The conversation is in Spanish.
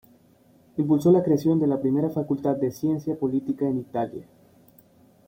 Impulsó la creación de la primera Facultad de Ciencia Política en Italia.